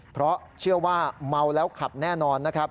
เพราะเชื่อว่าเมาแล้วขับแน่นอนนะครับ